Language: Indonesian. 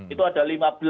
itu ada lima belas